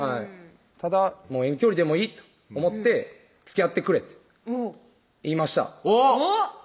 ただもう遠距離でもいいと思って「つきあってくれ」って言いましたおぉっ